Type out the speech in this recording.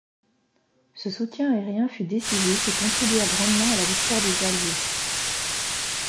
Ce soutien aérien fut décisif et contribua grandement à la victoire des Alliées.